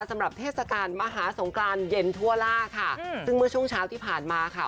เทศกาลมหาสงกรานเย็นทั่วล่าค่ะซึ่งเมื่อช่วงเช้าที่ผ่านมาค่ะ